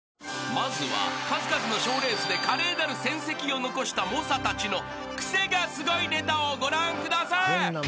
［まずは数々の賞レースで華麗なる戦績を残した猛者たちのクセがスゴいネタをご覧ください］